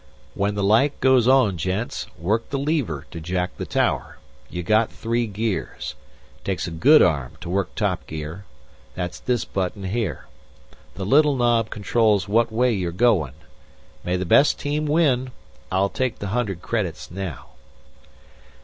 "When the light goes on, gents, work the lever to jack the tower. You got three gears. Takes a good arm to work top gear. That's this button here. The little knob controls what way you're goin'. May the best team win. I'll take the hundred credits now."